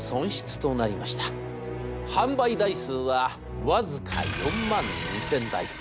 販売台数は僅か４万２，０００台。